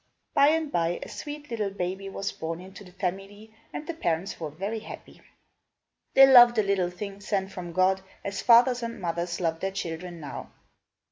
By and by, a sweet little baby was born in the family and the parents were very happy. They loved the little thing sent from God, as fathers and mothers love their children now.